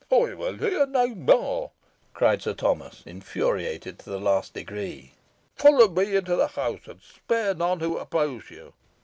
"I will hear no more," cried Sir Thomas, infuriated to the last degree. "Follow me into the house, and spare none who oppose you."